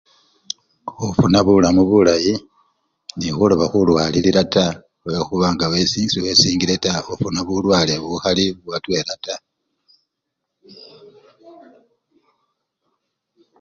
Khufuna bulamu bulayi nende khuloba khulwalilila taa kakila nga so! sewesigile taa khufuna bulwale bukhali bwatwela taa.